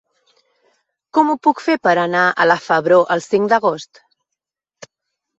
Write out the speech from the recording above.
Com ho puc fer per anar a la Febró el cinc d'agost?